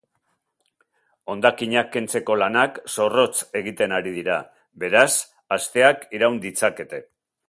Hondakinak kentzeko lanak zorrotz egiten ari dira, beraz, asteak iraun ditzakete.